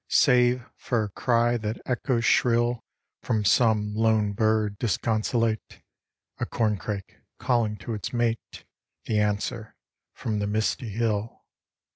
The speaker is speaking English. Save for a cry that echoes shrill From some lone bird disconsolate; A corncrake calling to its mate; The answer from the misty hill.